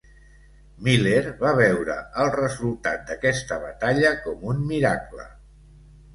Miller va veure el resultat d'aquesta batalla com un miracle.